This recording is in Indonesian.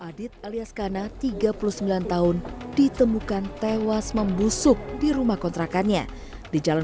adit alias kana tiga puluh sembilan tahun ditemukan tewas membusuk di rumah kontrakannya di jalan